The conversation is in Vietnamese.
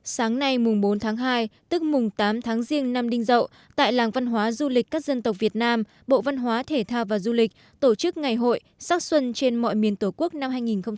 sáng nay mùng bốn tháng hai tức mùng tám tháng riêng năm đinh dậu tại làng văn hóa du lịch các dân tộc việt nam bộ văn hóa thể thao và du lịch tổ chức ngày hội sắc xuân trên mọi miền tổ quốc năm hai nghìn hai mươi